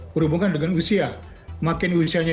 berhubungan dengan usia makin usianya